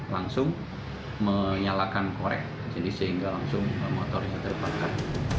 langsung menyalakan korek sehingga langsung motornya terbakar